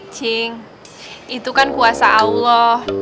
cing itu kan kuasa allah